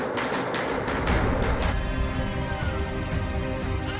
dan di dunia